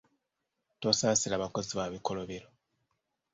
Tosasira bakozi ba bikolobero.